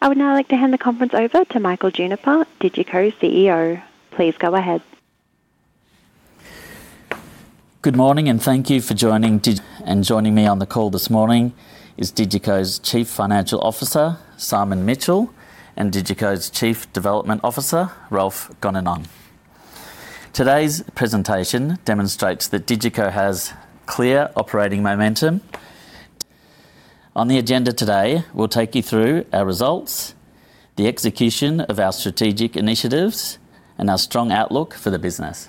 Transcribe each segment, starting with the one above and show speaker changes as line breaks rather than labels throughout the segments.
I would now like to hand the conference over to Michael Juniper, DigiCo CEO. Please go ahead.
Good morning, and thank you for joining. And joining me on the call this morning is DigiCo's Chief Financial Officer, Simon Mitchell, and DigiCo's Chief Development Officer, Ralph Goninan. Today's presentation demonstrates that DigiCo has clear operating momentum. On the agenda today, we'll take you through our results, the execution of our strategic initiatives, and our strong outlook for the business.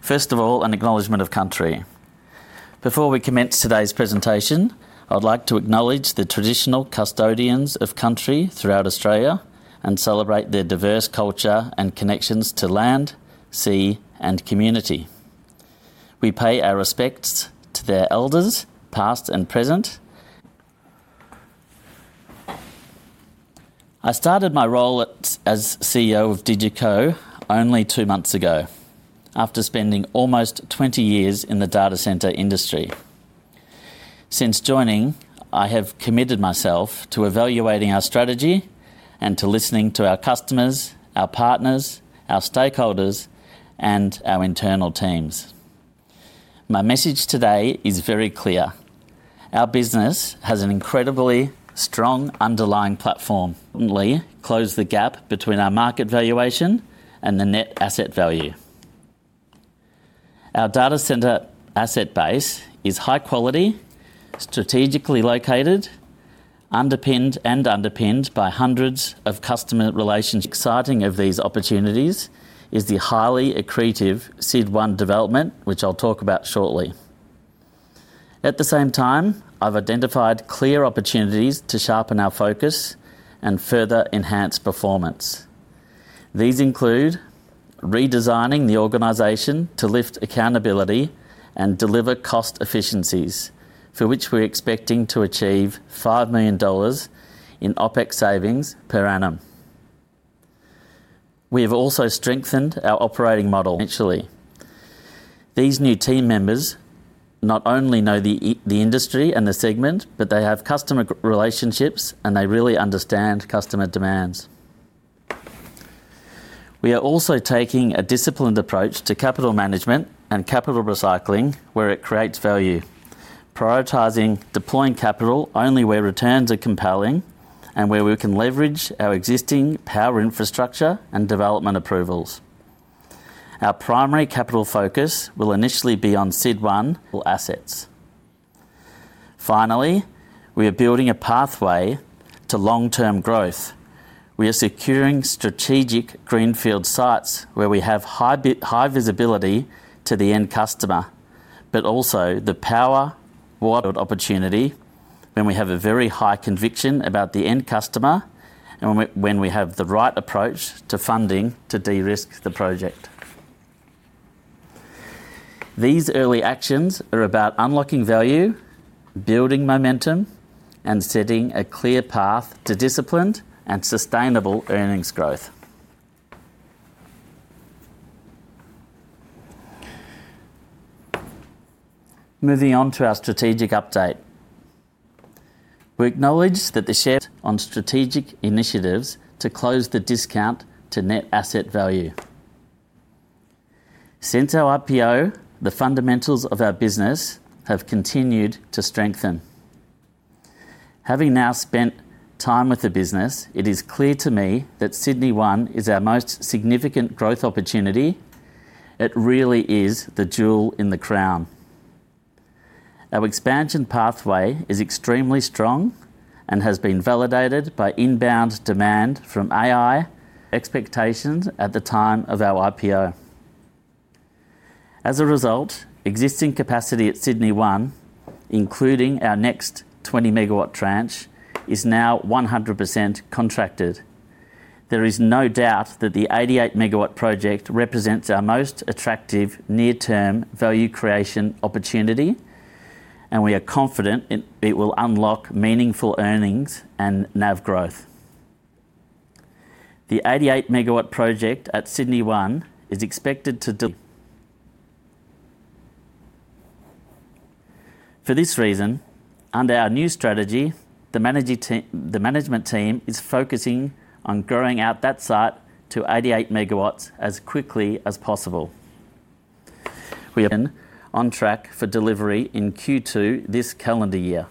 First of all, an acknowledgment of country. Before we commence today's presentation, I'd like to acknowledge the traditional custodians of country throughout Australia and celebrate their diverse culture and connections to land, sea, and community. We pay our respects to their elders, past and present. I started my role as CEO of DigiCo only 2 months ago, after spending almost 20 years in the data center industry. Since joining, I have committed myself to evaluating our strategy and to listening to our customers, our partners, our stakeholders, and our internal teams. My message today is very clear: Our business has an incredibly strong underlying platform. Quickly close the gap between our market valuation and the net asset value. Our data center asset base is high quality, strategically located, underpinned by hundreds of customer relations. One of the exciting opportunities is the highly accretive SYD1 development, which I'll talk about shortly. At the same time, I've identified clear opportunities to sharpen our focus and further enhance performance. These include redesigning the organization to lift accountability and deliver cost efficiencies, for which we're expecting to achieve 5 million dollars in OpEx savings per annum. We have also strengthened our operating model eventually. These new team members not only know the industry and the segment, but they have customer relationships, and they really understand customer demands. We are also taking a disciplined approach to capital management and capital recycling where it creates value, prioritizing deploying capital only where returns are compelling and where we can leverage our existing power, infrastructure, and development approvals. Our primary capital focus will initially be on SYD1 assets. Finally, we are building a pathway to long-term growth. We are securing strategic greenfield sites where we have high visibility to the end customer, but also the power world opportunity, when we have a very high conviction about the end customer and when we have the right approach to funding to de-risk the project. These early actions are about unlocking value, building momentum, and setting a clear path to disciplined and sustainable earnings growth. Moving on to our strategic update. We acknowledge that we're on strategic initiatives to close the discount to net asset value. Since our IPO, the fundamentals of our business have continued to strengthen. Having now spent time with the business, it is clear to me that Sydney One is our most significant growth opportunity. It really is the jewel in the crown. Our expansion pathway is extremely strong and has been validated by inbound demand from AI expectations at the time of our IPO. As a result, existing capacity at Sydney One, including our next 20 MW tranche, is now 100% contracted. There is no doubt that the 88 MW project represents our most attractive near-term value creation opportunity, and we are confident it will unlock meaningful earnings and NAV growth. The 88 MW project at Sydney One is expected to del... For this reason, under our new strategy, the management team, the management team is focusing on growing out that site to 88 megawatts as quickly as possible. We are on track for delivery in Q2 this calendar year.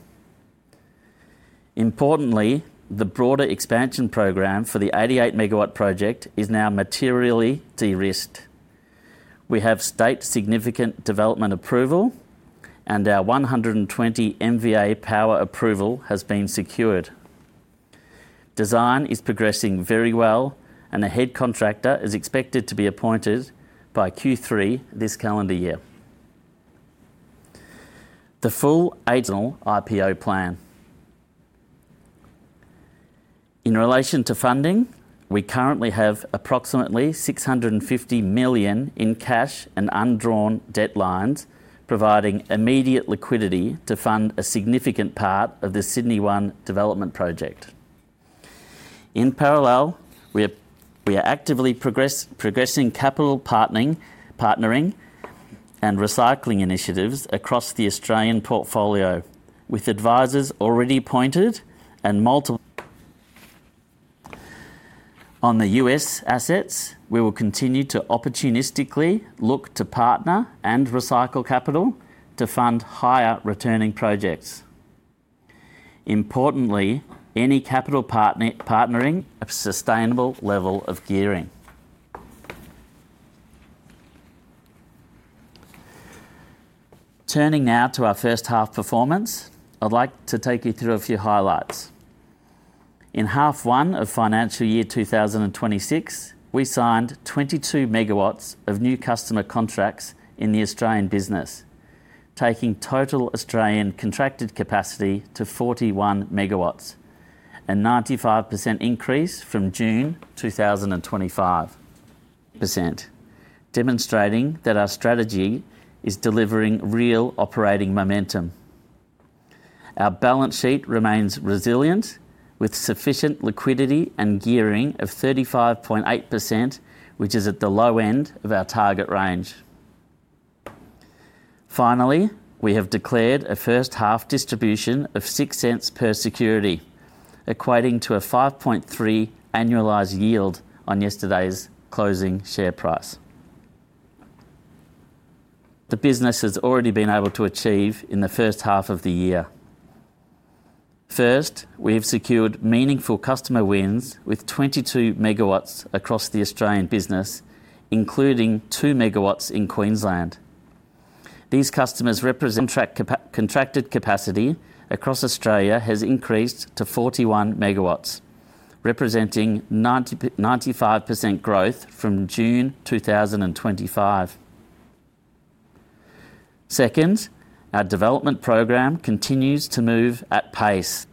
Importantly, the broader expansion program for the 88 MW project is now materially de-risked. We have State Significant Development Approval, and our 120 MVA power approval has been secured. Design is progressing very well, and the head contractor is expected to be appointed by Q3 this calendar year. The full original IPO plan. In relation to funding, we currently have approximately 650 million in cash and undrawn debt lines, providing immediate liquidity to fund a significant part of the Sydney One development project. In parallel, we are actively progressing capital partnering and recycling initiatives across the Australian portfolio, with advisors already appointed and multiple parties. On the U.S. assets, we will continue to opportunistically look to partner and recycle capital to fund higher-returning projects. Importantly, any capital partnering a sustainable level of gearing. Turning now to our first half performance, I'd like to take you through a few highlights. In 1H of financial year 2026, we signed 22 MW of new customer contracts in the Australian business, taking total Australian contracted capacity to 41 MW, a 95% increase from June 2025, demonstrating that our strategy is delivering real operating momentum. Our balance sheet remains resilient, with sufficient liquidity and gearing of 35.8%, which is at the low end of our target range. Finally, we have declared a first half distribution of 0.06 per security, equating to a 5.3% annualized yield on yesterday's closing share price. The business has already been able to achieve in the first half of the year. First, we have secured meaningful customer wins with 22 MW across the Australian business, including 2 megawatts in Queensland. These customers represent contracted capacity across Australia has increased to 41 MW, representing 95% growth from June 2025. Second, our development program continues to move at pace.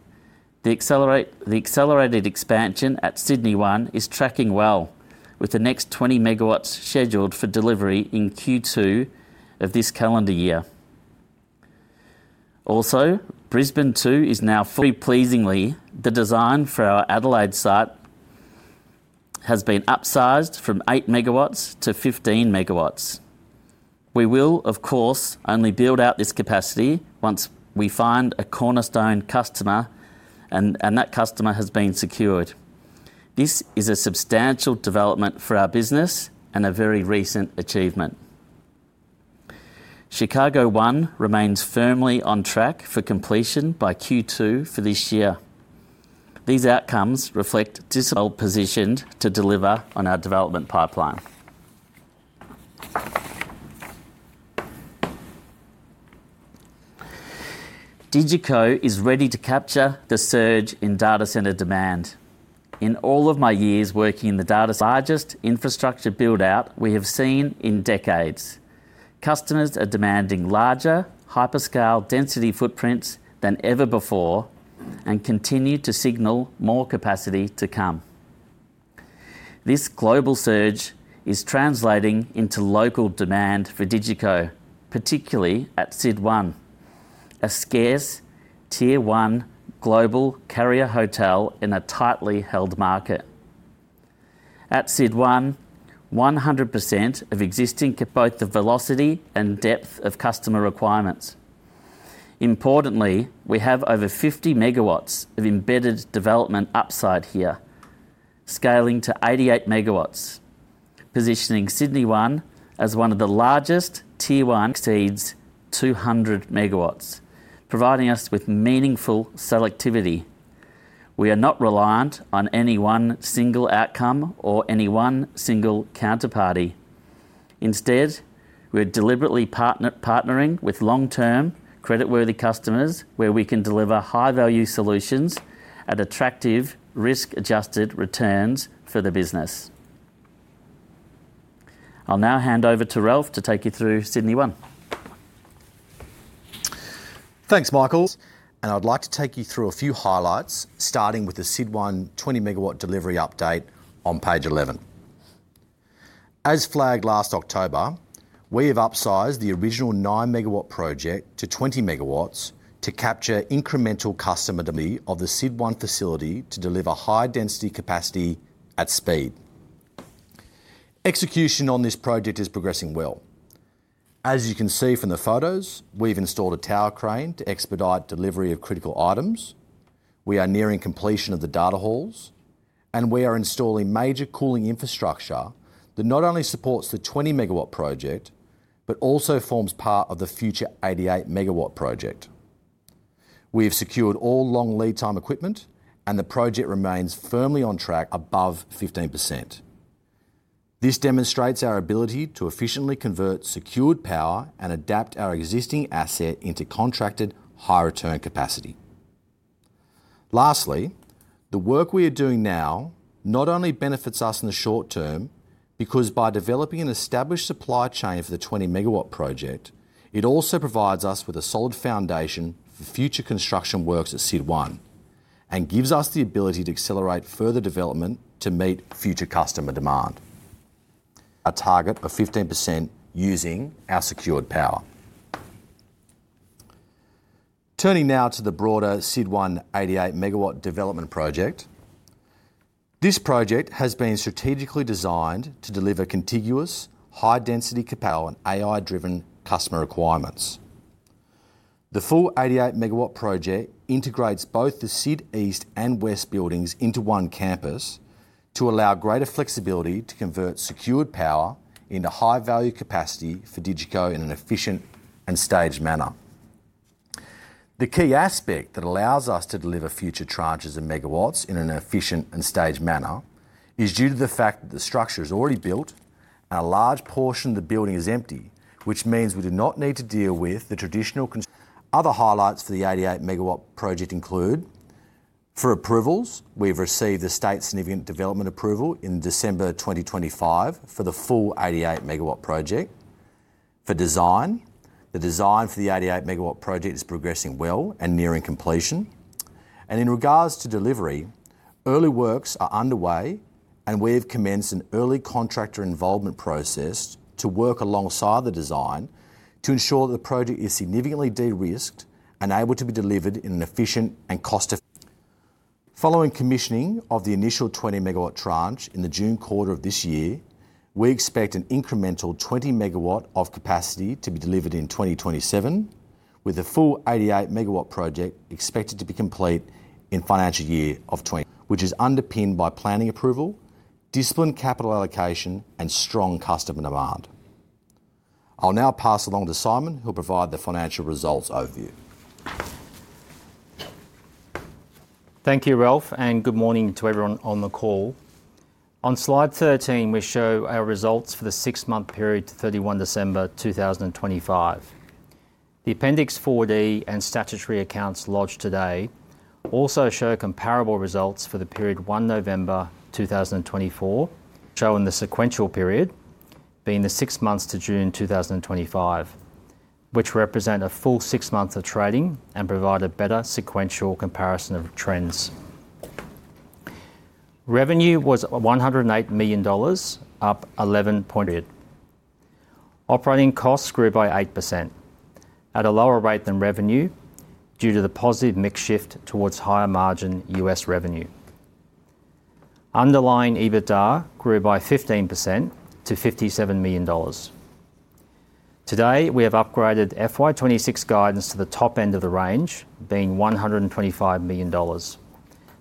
The accelerated expansion at Sydney One is tracking well, with the next 20 MW scheduled for delivery in Q2 of this calendar year. Also, Brisbane Two is now very pleasingly. The design for our Adelaide site has been upsized from 8 MW to 15 MW. We will, of course, only build out this capacity once we find a cornerstone customer, and that customer has been secured. This is a substantial development for our business and a very recent achievement. Chicago One remains firmly on track for completion by Q2 for this year. These outcomes reflect well-positioned to deliver on our development pipeline. DigiCo is ready to capture the surge in data center demand. In all of my years working in the data's largest infrastructure build-out, we have seen in decades, customers are demanding larger, hyperscale density footprints than ever before and continue to signal more capacity to come. This global surge is translating into local demand for DigiCo, particularly at SYD1, a scarce Tier 1 global carrier hotel in a tightly held market. At SYD1, 100% of existing, both the velocity and depth of customer requirements. Importantly, we have over 50 MW of embedded development upside here, scaling to 88 MW, positioning Sydney One as one of the largest Tier 1 exceeds 200 MW, providing us with meaningful selectivity. We are not reliant on any one single outcome or any one single counterparty. Instead, we're deliberately partnering with long-term, credit-worthy customers where we can deliver high-value solutions at attractive risk-adjusted returns for the business. I'll now hand over to Ralph to take you through Sydney One.
Thanks, Michael, and I'd like to take you through a few highlights, starting with the SYD1 20 MW delivery update on page 11. As flagged last October, we have upsized the original 9 MW project to 20 MW to capture incremental customer demand of the SYD1 facility to deliver high-density capacity at speed. Execution on this project is progressing well. As you can see from the photos, we've installed a tower crane to expedite delivery of critical items. We are nearing completion of the data halls, and we are installing major cooling infrastructure that not only supports the 20 MW project, but also forms part of the future 88 MW project. We have secured all long lead time equipment, and the project remains firmly on track above 15%. This demonstrates our ability to efficiently convert secured power and adapt our existing asset into contracted high-return capacity. Lastly, the work we are doing now not only benefits us in the short term, because by developing an established supply chain for the 20-megawatt project, it also provides us with a solid foundation for future construction works at SYD1, and gives us the ability to accelerate further development to meet future customer demand. A target of 15% using our secured power... Turning now to the broader SYD1 88-megawatt development project. This project has been strategically designed to deliver contiguous, high-density power and AI-driven customer requirements. The full 88-megawatt project integrates both the SYD East and West buildings into one campus, to allow greater flexibility to convert secured power into high-value capacity for DigiCo in an efficient and staged manner. The key aspect that allows us to deliver future tranches and megawatts in an efficient and staged manner is due to the fact that the structure is already built and a large portion of the building is empty, which means we do not need to deal with the traditional con- Other highlights for the 88-megawatt project include: for approvals, we've received the State Significant Development Approval in December 2025 for the full 88-megawatt project. For design, the design for the 88-megawatt project is progressing well and nearing completion. In regards to delivery, early works are underway, and we have commenced an early contractor involvement process to work alongside the design to ensure that the project is significantly de-risked and able to be delivered in an efficient and cost-effective. Following commissioning of the initial 20-MW tranche in the June quarter of this year, we expect an incremental 20 MW of capacity to be delivered in 2027, with the full 88-MW project expected to be complete in financial year 2025, which is underpinned by planning approval, disciplined capital allocation and strong customer demand. I'll now pass along to Simon, who'll provide the financial results overview.
Thank you, Ralph, and good morning to everyone on the call. On slide 13, we show our results for the six-month period to 31 December 2025. The Appendix 4D and statutory accounts lodged today also show comparable results for the period 1 November 2024, showing the sequential period being the six months to June 2025, which represent a full six months of trading and provide a better sequential comparison of trends. Revenue was 108 million dollars, up 11.8%. Operating costs grew by 8%, at a lower rate than revenue, due to the positive mix shift towards higher margin US revenue. Underlying EBITDA grew by 15% to 57 million dollars. Today, we have upgraded FY 2026 guidance to the top end of the range, being 125 million dollars,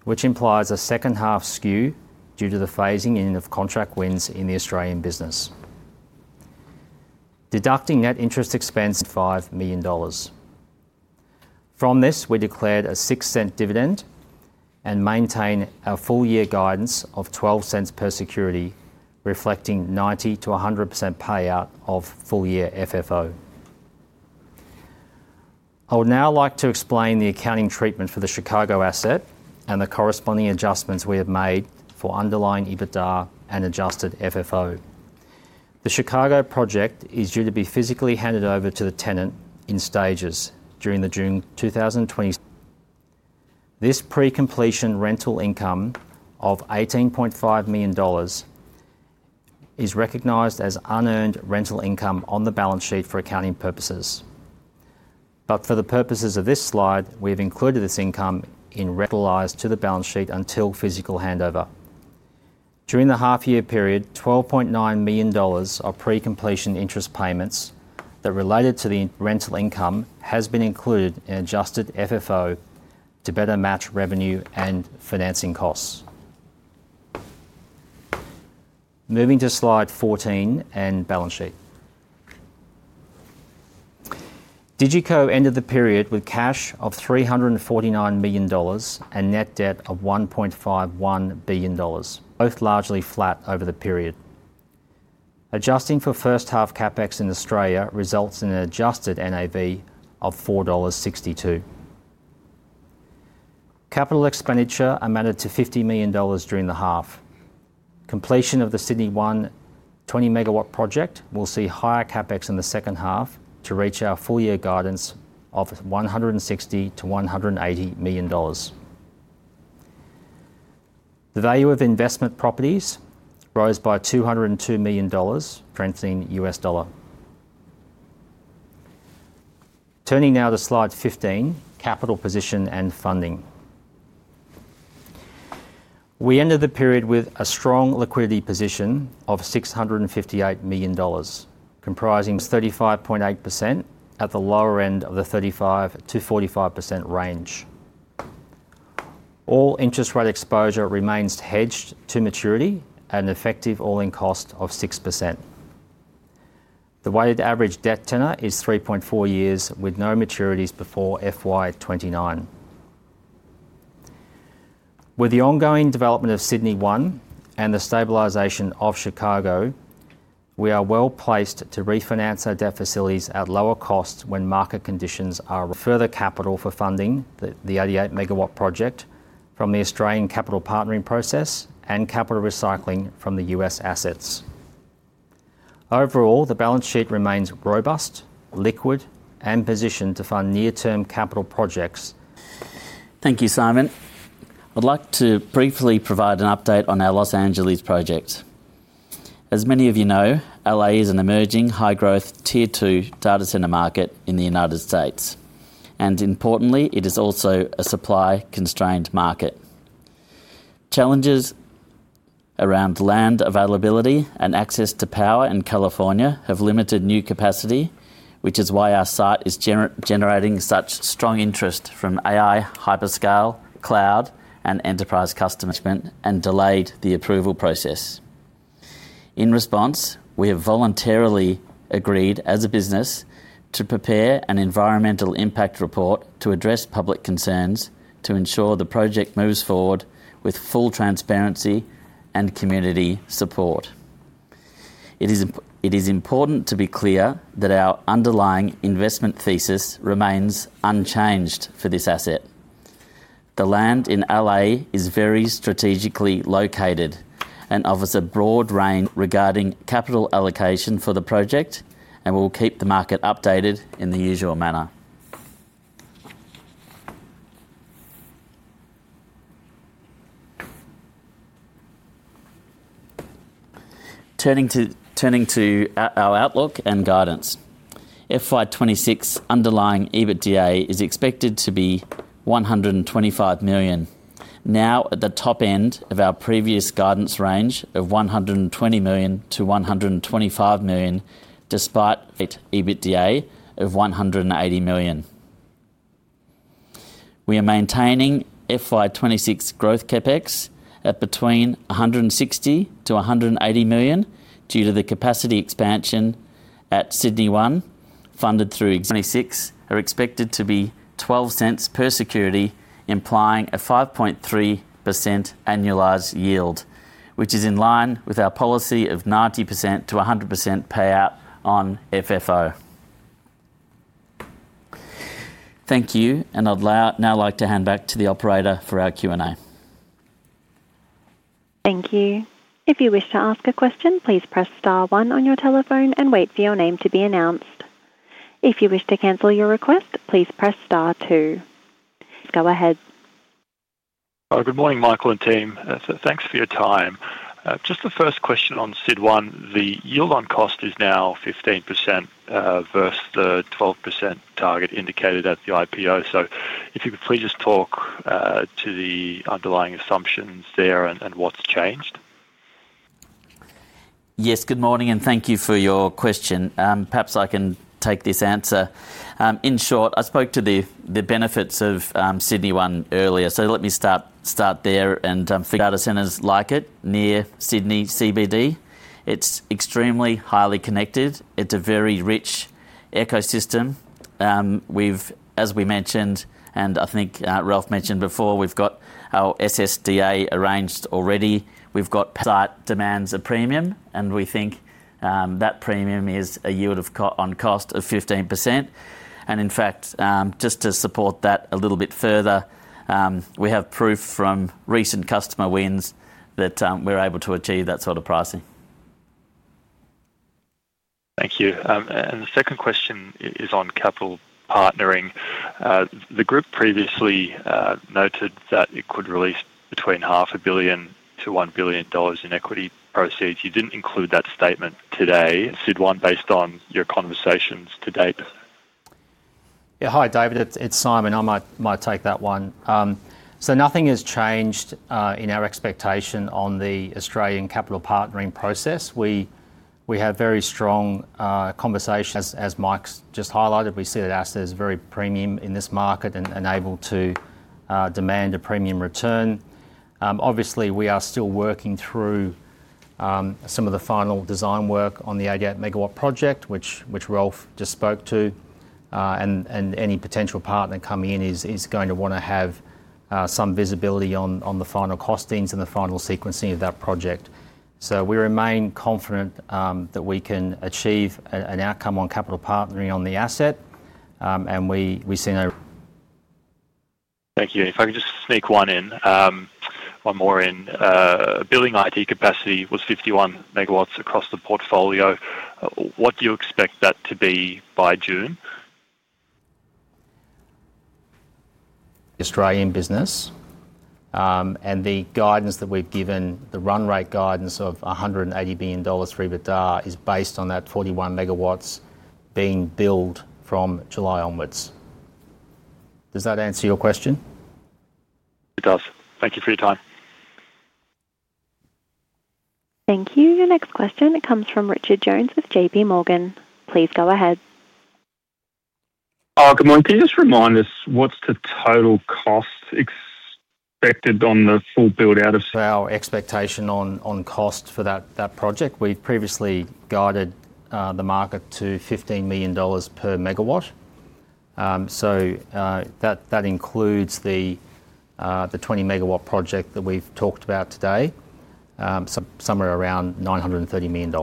which implies a second half skew due to the phasing in of contract wins in the Australian business. Deducting net interest expense, 5 million dollars. From this, we declared an 0.06 dividend and maintain our full year guidance of 0.12 per security, reflecting 90%-100% payout of full year FFO. I would now like to explain the accounting treatment for the Chicago asset and the corresponding adjustments we have made for underlying EBITDA and adjusted FFO. The Chicago project is due to be physically handed over to the tenant in stages during the June 2020. This pre-completion rental income of 18.5 million dollars is recognized as unearned rental income on the balance sheet for accounting purposes. But for the purposes of this slide, we've included this income in recognized to the balance sheet until physical handover. During the half year period, 12.9 million dollars of pre-completion interest payments that related to the rental income has been included in Adjusted FFO to better match revenue and financing costs. Moving to slide 14 and balance sheet. DigiCo ended the period with cash of AUD 349 million and net debt of AUD 1.51 billion, both largely flat over the period. Adjusting for first half CapEx in Australia results in an adjusted NAV of 4.62 dollars. Capital expenditure amounted to 50 million dollars during the half. Completion of the Sydney One 20-megawatt project will see higher CapEx in the second half to reach our full year guidance of 160 million-180 million dollars. The value of investment properties rose by $202 million, translating US dollar. Turning now to slide 15, capital position and funding. We ended the period with a strong liquidity position of $658 million, comprising 35.8% at the lower end of the 35%-45% range. All interest rate exposure remains hedged to maturity at an effective all-in cost of 6%. The weighted average debt tenor is 3.4 years, with no maturities before FY 2029. With the ongoing development of Sydney One and the stabilization of Chicago, we are well-placed to refinance our debt facilities at lower costs when market conditions are- Further capital for funding the 88-megawatt project from the Australian capital partnering process and capital recycling from the US assets. Overall, the balance sheet remains robust, liquid, and positioned to fund near-term capital projects....
Thank you, Simon. I'd like to briefly provide an update on our Los Angeles project. As many of you know, LA is an emerging, high-growth, Tier 2 data center market in the United States, and importantly, it is also a supply-constrained market. Challenges around land availability and access to power in California have limited new capacity, which is why our site is generating such strong interest from AI, hyperscale, cloud, and enterprise customer management, and delayed the approval process. In response, we have voluntarily agreed as a business to prepare an environmental impact report to address public concerns to ensure the project moves forward with full transparency and community support. It is important to be clear that our underlying investment thesis remains unchanged for this asset. The land in L.A. is very strategically located and offers a broad range regarding capital allocation for the project, and we'll keep the market updated in the usual manner. Turning to our outlook and guidance. FY 26 underlying EBITDA is expected to be 125 million, now at the top end of our previous guidance range of 120 million-125 million, despite EBITDA of 180 million. We are maintaining FY 26 growth CapEx at between 160 million to 180 million, due to the capacity expansion at Sydney One, funded through- Twenty-six are expected to be 0.12 per security, implying a 5.3% annualized yield, which is in line with our policy of 90%-100% payout on FFO. Thank you, and I'd now like to hand back to the operator for our Q&A.
Thank you. If you wish to ask a question, please press star one on your telephone and wait for your name to be announced. If you wish to cancel your request, please press star two. Go ahead.
Good morning, Michael and team. Thanks for your time. Just the first question on SYD1, the yield on cost is now 15%, versus the 12% target indicated at the IPO. So if you could please just talk to the underlying assumptions there and what's changed?
Yes, good morning, and thank you for your question. Perhaps I can take this answer. In short, I spoke to the benefits of Sydney One earlier, so let me start there and data centers like it near Sydney CBD. It's extremely highly connected. It's a very rich ecosystem. We've, as we mentioned, and I think Ralph mentioned before, we've got our SSDA arranged already. We've got site demands a premium, and we think that premium is a yield on cost of 15%. And in fact, just to support that a little bit further, we have proof from recent customer wins that we're able to achieve that sort of pricing.
Thank you. The second question is on capital partnering. The group previously noted that it could release between 500 million-1 billion dollars in equity proceeds. You didn't include that statement today, SYD1, based on your conversations to date.
Yeah. Hi, David, it's Simon. I might take that one. So nothing has changed in our expectation on the Australian capital partnering process. We have very strong conversations. As Mike's just highlighted, we see that our asset is very premium in this market and able to demand a premium return. Obviously, we are still working through some of the final design work on the 88-megawatt project, which Ralph just spoke to, and any potential partner coming in is going to want to have some visibility on the final costings and the final sequencing of that project. So we remain confident that we can achieve an outcome on capital partnering on the asset. And we see no-
Thank you. If I could just sneak one in, one more in. Building IT capacity was 51 MW across the portfolio. What do you expect that to be by June?
Australian business, and the guidance that we've given, the run rate guidance of 180 billion dollars FFO is based on that 41 MW being built from July onwards. Does that answer your question?
It does. Thank you for your time.
Thank you. Your next question comes from Richard Jones with JP Morgan. Please go ahead.
Good morning. Can you just remind us what's the total cost expected on the full build-out of-
Our expectation on cost for that project, we previously guided the market to 15 million dollars per megawatt. So, that includes the 20-megawatt project that we've talked about today, somewhere around AUD 930 million.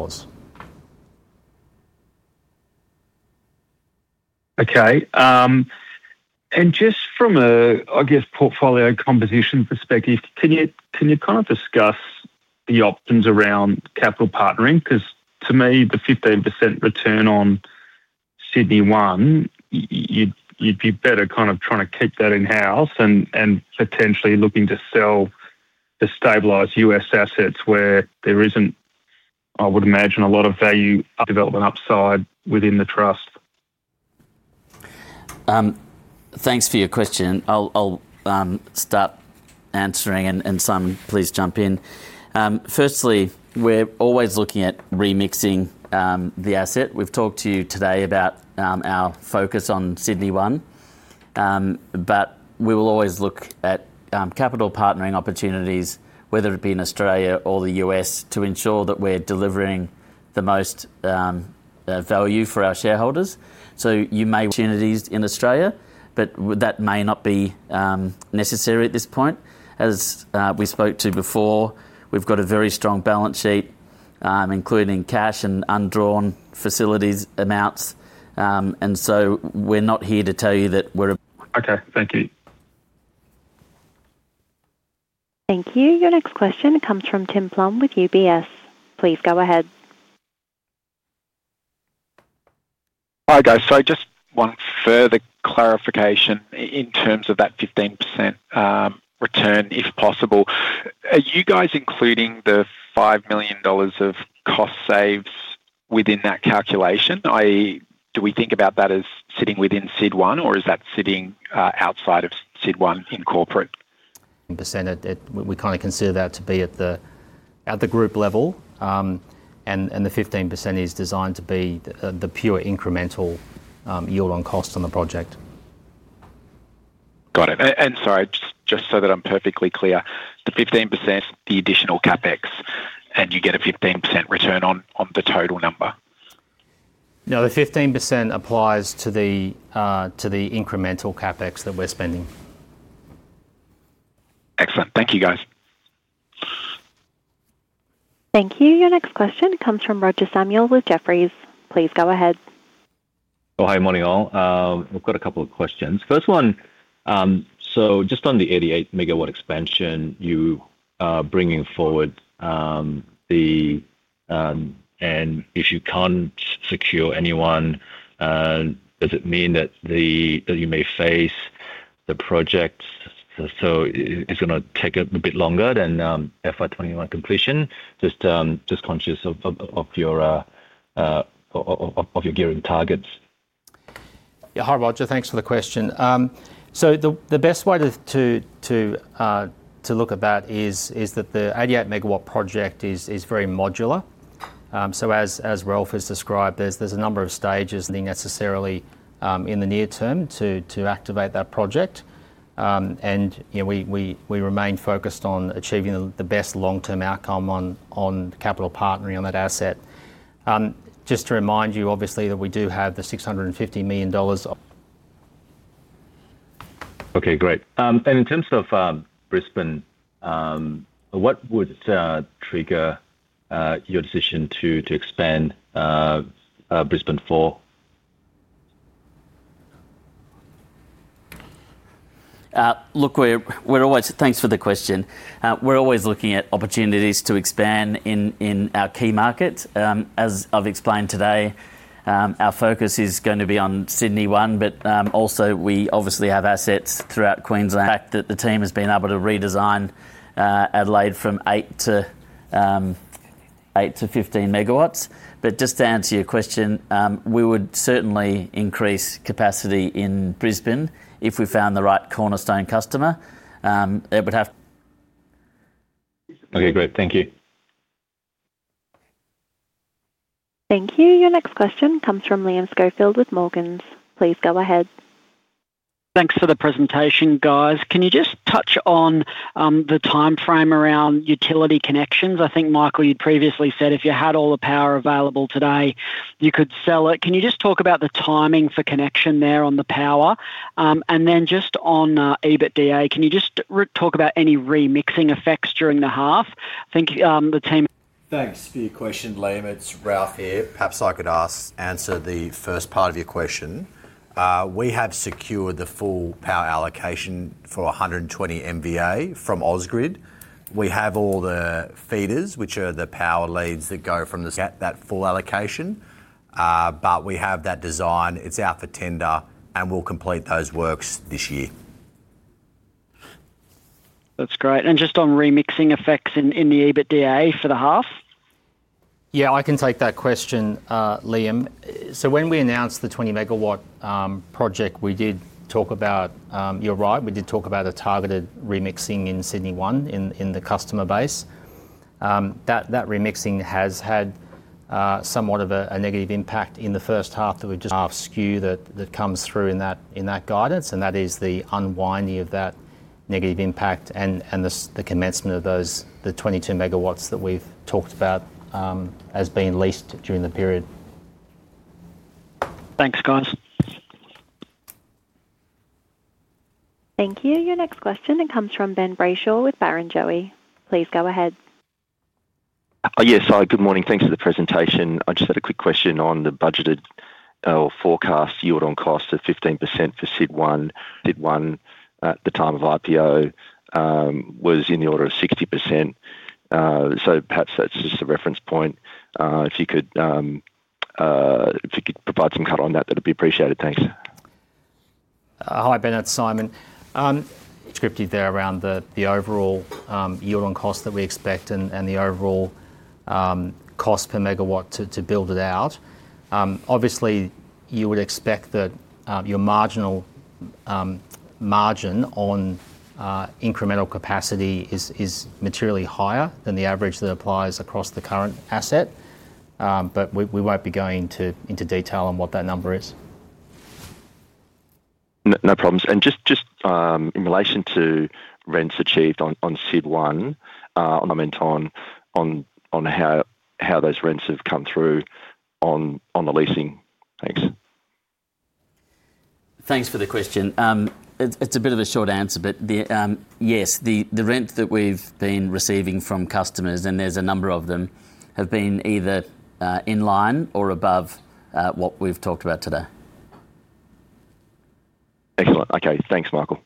Okay. And just from a, I guess, portfolio composition perspective, can you, can you kind of discuss the options around capital partnering? 'Cause to me, the 15% return on-... Sydney One, you'd be better kind of trying to keep that in-house and potentially looking to sell the stabilized U.S. assets where there isn't, I would imagine, a lot of value, development upside within the trust.
Thanks for your question. I'll start answering and Simon, please jump in. Firstly, we're always looking at remixing the asset. We've talked to you today about our focus on Sydney One, but we will always look at capital partnering opportunities, whether it be in Australia or the U.S., to ensure that we're delivering the most value for our shareholders. So you may- opportunities in Australia, but w- that may not be necessary at this point. As we spoke to before, we've got a very strong balance sheet, including cash and undrawn facilities amounts. And so we're not here to tell you that we're-
Okay, thank you.
Thank you. Your next question comes from Tim Plumbe with UBS. Please go ahead.
Hi, guys. So just one further clarification in terms of that 15%, if possible. Are you guys including the 5 million dollars of cost saves within that calculation? Do we think about that as sitting within SYD1, or is that sitting outside of SYD1 in corporate?
Percent, that we kinda consider that to be at the group level, and the 15% is designed to be the pure incremental yield on cost on the project.
Got it. And sorry, just so that I'm perfectly clear, the 15%, the additional CapEx, and you get a 15% return on the total number?
No, the 15% applies to the, to the incremental CapEx that we're spending.
Excellent. Thank you, guys.
Thank you. Your next question comes from Roger Samuel with Jefferies. Please go ahead.
Oh, hi, morning, all. We've got a couple of questions. First one, so just on the 88-megawatt expansion you are bringing forward. And if you can't secure anyone, does it mean that that you may face the projects, so it's gonna take a bit longer than FY 21 completion? Just conscious of your gearing targets.
Yeah, hi, Roger. Thanks for the question. So the best way to look at that is that the 88-megawatt project is very modular. So as Ralph has described, there's a number of stages, necessarily, in the near term to activate that project. And, you know, we remain focused on achieving the best long-term outcome on capital partnering on that asset. Just to remind you, obviously, that we do have the 650 million dollars-
Okay, great. And in terms of Brisbane, what would trigger your decision to expand Brisbane Four?
Look, we're always. Thanks for the question. We're always looking at opportunities to expand in our key markets. As I've explained today, our focus is gonna be on Sydney One, but also, we obviously have assets throughout Queensland. The fact that the team has been able to redesign Adelaide from 8 to 15 MW. But just to answer your question, we would certainly increase capacity in Brisbane if we found the right cornerstone customer. It would have-
Okay, great. Thank you.
Thank you. Your next question comes from Liam Schofield with Morgans. Please go ahead.
Thanks for the presentation, guys. Can you just touch on the timeframe around utility connections? I think, Michael, you previously said if you had all the power available today, you could sell it. Can you just talk about the timing for connection there on the power? And then just on EBITDA, can you just talk about any remixing effects during the half? I think the team-
Thanks for your question, Liam. It's Ralph here. Perhaps I could ask, answer the first part of your question. We have secured the full power allocation for 120 MVA from Ausgrid. We have all the feeders, which are the power leads that go from the get that full allocation, but we have that design, it's out for tender, and we'll complete those works this year.
That's great. And just on remixing effects in the EBITDA for the half?
Yeah, I can take that question, Liam. So when we announced the 20-megawatt project, we did talk about, you're right, we did talk about a targeted remixing in Sydney One, in the customer base. That remixing has had somewhat of a negative impact in the first half that we've just the half skew that comes through in that guidance, and that is the unwinding of that negative impact and the commencement of those 22 megawatts that we've talked about as being leased during the period.
Thanks, guys.
Thank you. Your next question comes from Ben Brayshaw with Barrenjoey. Please go ahead.
Yes, hi, good morning. Thanks for the presentation. I just had a quick question on the budgeted or forecast yield on cost of 15% for SYD1. SYD1, at the time of IPO, was in the order of 60%. ... so perhaps that's just a reference point. If you could provide some color on that, that'd be appreciated. Thanks.
Hi, Ben, it's Simon. Scripted there around the overall yield on cost that we expect and the overall cost per megawatt to build it out. Obviously, you would expect that your marginal margin on incremental capacity is materially higher than the average that applies across the current asset. But we won't be going into detail on what that number is.
No problems. And just in relation to rents achieved on SYD1, on a per MW on how those rents have come through on the leasing. Thanks.
Thanks for the question. It's a bit of a short answer, but yes, the rent that we've been receiving from customers, and there's a number of them, have been either in line or above what we've talked about today.
Excellent. Okay. Thanks, Michael.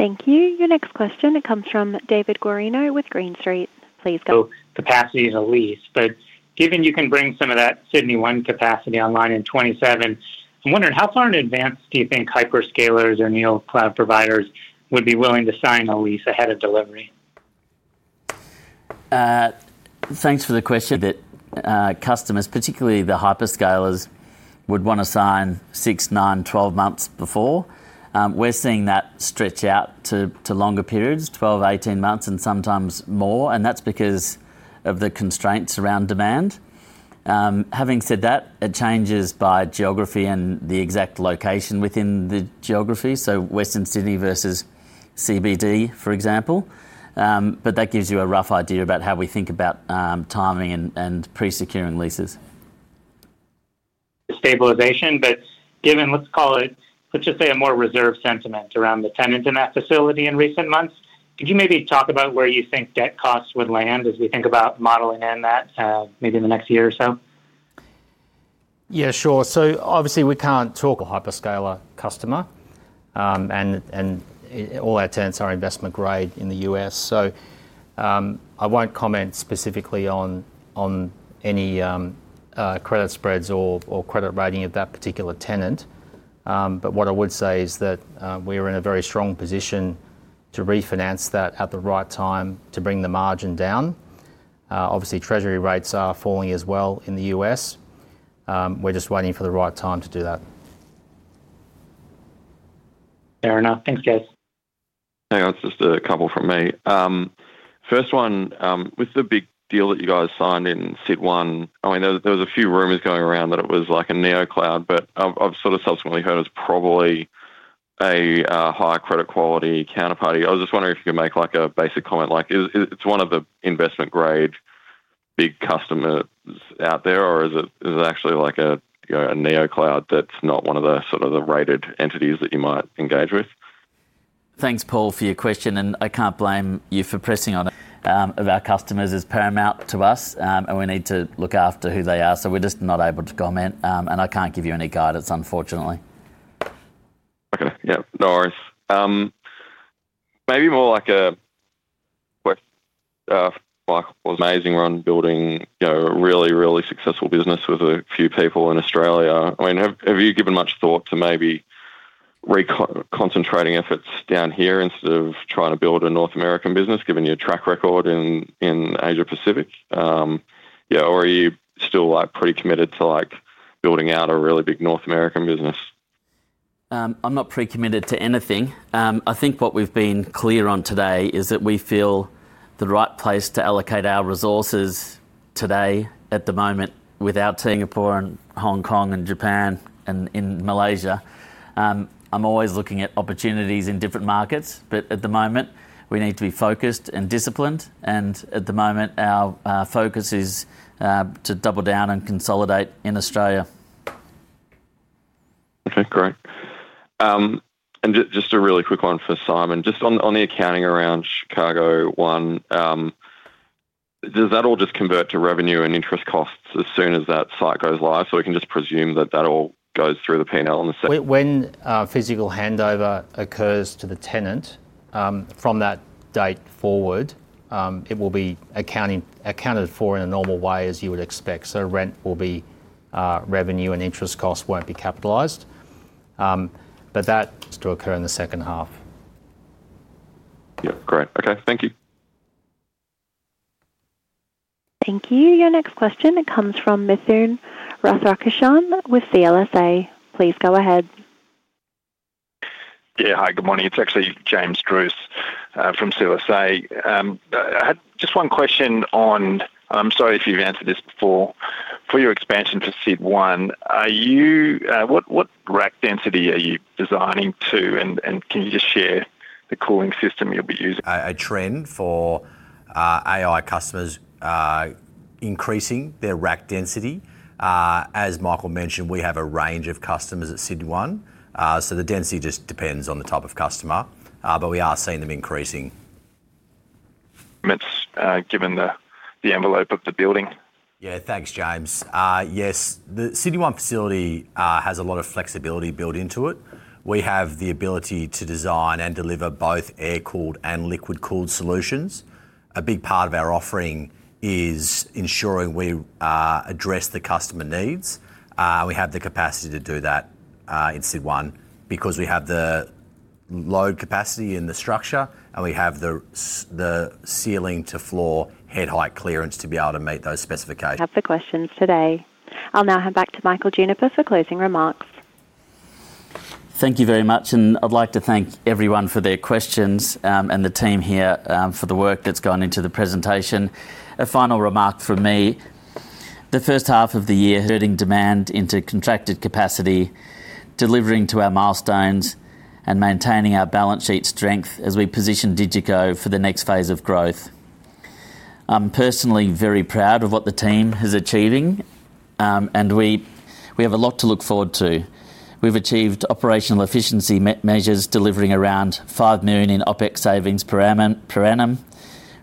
Thank you. Your next question comes from David Guarino with Green Street. Please go-
Capacity is a lease, but given you can bring some of that Sydney One capacity online in 2027, I'm wondering: How far in advance do you think hyperscalers or neocloud providers would be willing to sign a lease ahead of delivery?
Thanks for the question. That, customers, particularly the hyperscalers, would wanna sign 6, 9, 12 months before. We're seeing that stretch out to longer periods, 12, 18 months, and sometimes more, and that's because of the constraints around demand. Having said that, it changes by geography and the exact location within the geography, so Western Sydney versus CBD, for example. But that gives you a rough idea about how we think about timing and pre-securing leases.
The stabilization, but given, let's call it, let's just say, a more reserved sentiment around the tenant in that facility in recent months, could you maybe talk about where you think debt costs would land as we think about modeling in that, maybe in the next year or so?
Yeah, sure. So obviously, we can't talk a hyperscale customer, and all our tenants are investment grade in the U.S., so I won't comment specifically on any credit spreads or credit rating of that particular tenant. But what I would say is that we're in a very strong position to refinance that at the right time to bring the margin down. Obviously, treasury rates are falling as well in the U.S. We're just waiting for the right time to do that.
Fair enough. Thanks, guys.
Hang on, it's just a couple from me. First one, with the big deal that you guys signed in SYD1, I mean, there, there was a few rumors going around that it was like a neocloud, but I've, I've sort of subsequently heard it was probably a, high credit quality counterparty. I was just wondering if you could make, like, a basic comment, like, is it, it's one of the investment grade big customers out there, or is it, is it actually like a, you know, a neocloud that's not one of the sort of the rated entities that you might engage with?
Thanks, Paul, for your question, and I can't blame you for pressing on it. Of our customers is paramount to us, and we need to look after who they are, so we're just not able to comment. I can't give you any guidance, unfortunately.
Okay. Yeah, no worries. Maybe more like a what, Michael, was amazing around building, you know, a really, really successful business with a few people in Australia. I mean, have you given much thought to maybe re-concentrating efforts down here instead of trying to build a North American business, given your track record in Asia-Pacific? Yeah, or are you still, like, pretty committed to, like, building out a really big North American business?
I'm not pre-committed to anything. I think what we've been clear on today is that we feel the right place to allocate our resources today, at the moment, with our Singapore and Hong Kong and Japan and in Malaysia. I'm always looking at opportunities in different markets, but at the moment, we need to be focused and disciplined, and at the moment, our focus is to double down and consolidate in Australia.
Okay, great. And just a really quick one for Simon. Just on the accounting around Chicago One, does that all just convert to revenue and interest costs as soon as that site goes live? So we can just presume that that all goes through the PNL on the second-
When physical handover occurs to the tenant, from that date forward, it will be accounted for in a normal way, as you would expect. So rent will be revenue, and interest costs won't be capitalized. But that is to occur in the second half.
Yeah, great. Okay, thank you.
Thank you. Your next question comes from Mithun Rathakrishnan with CLSA. Please go ahead.
Yeah, hi, good morning. It's actually James Druce from CLSA. I had just one question on... I'm sorry if you've answered this before. For your expansion for SYD1, what rack density are you designing to, and can you just share the cooling system you'll be using?
A trend for AI customers increasing their rack density. As Michael mentioned, we have a range of customers at SYD1, so the density just depends on the type of customer, but we are seeing them increasing.
It's given the envelope of the building.
Yeah. Thanks, James. Yes, the Sydney One facility has a lot of flexibility built into it. We have the ability to design and deliver both air-cooled and liquid-cooled solutions. A big part of our offering is ensuring we address the customer needs. We have the capacity to do that in SYD-one because we have the load capacity in the structure and we have the ceiling to floor head height clearance to be able to meet those specifications.
Have the questions today. I'll now hand back to Michael Juniper for closing remarks.
Thank you very much, and I'd like to thank everyone for their questions, and the team here, for the work that's gone into the presentation. A final remark from me: the first half of the year, building demand into contracted capacity, delivering to our milestones, and maintaining our balance sheet strength as we position DigiCo for the next phase of growth. I'm personally very proud of what the team is achieving, and we have a lot to look forward to. We've achieved operational efficiency measures, delivering around 5 million in OpEx savings per annum, per annum.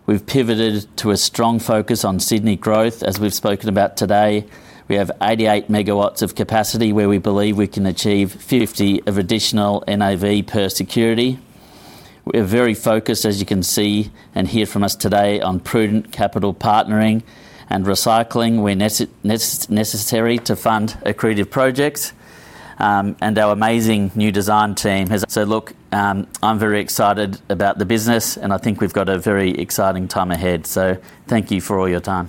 We've pivoted to a strong focus on Sydney growth. As we've spoken about today, we have 88 megawatts of capacity where we believe we can achieve 50 of additional NAV per security. We're very focused, as you can see and hear from us today, on prudent capital partnering and recycling where necessary to fund accretive projects. Our amazing new design team. So look, I'm very excited about the business, and I think we've got a very exciting time ahead. Thank you for all your time.